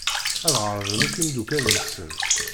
Ad d-ɛerḍen akk imeddukal-nsen.